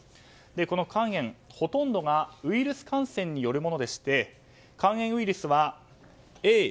この肝炎、ほとんどがウイルス感染によるものでして肝炎ウイルスはＡ、Ｂ、Ｃ、Ｄ、Ｅ